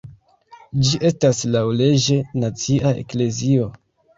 Ĝi estas laŭleĝe nacia eklezio.